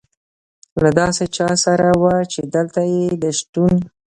له داسې چا سره وه، چې دلته یې د شتون.